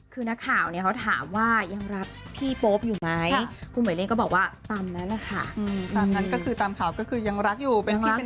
เป็นวีดีโอเขาซ้อมบทละครอยู่